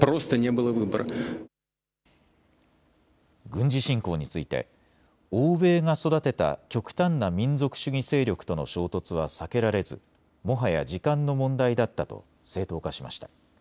軍事侵攻について欧米が育てた極端な民族主義勢力との衝突は避けられずもはや時間の問題だったと正当化しました。